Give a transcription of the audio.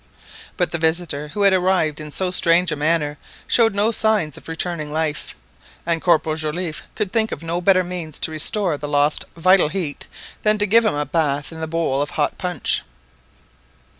But the visitor who had arrived in so strange a manner showed no signs of returning life, and Corporal Joliffe could think of no better means to restore the lost vital heat than to give him a bath in the bowl of hot punch.